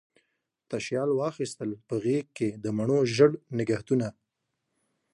تشیال واخیستل په غیږکې، د مڼو ژړ نګهتونه